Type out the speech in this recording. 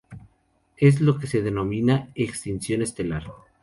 Es lo que se denomina extinción estelar.